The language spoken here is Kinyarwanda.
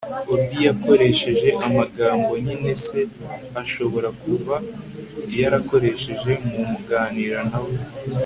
obi yakoresheje amagambo nyine se ashobora kuba yarakoresheje muganira na we